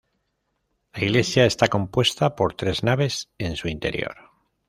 La iglesia está compuesta por tres naves en su interior.